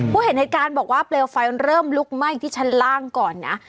เห็นเหตุการณ์บอกว่าเปลวไฟเริ่มลุกไหม้ที่ชั้นล่างก่อนนะ